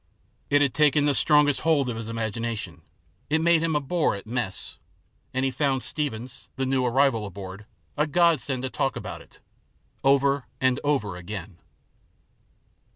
It had taken the strongest hold of his imagination ; it made him a bore at mess ; and he found Steevens, the new arrival aboard, a godsend to talk to about it, over and over again.